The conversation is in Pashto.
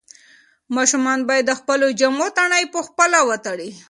ماشومان باید د خپلو جامو تڼۍ پخپله وتړي.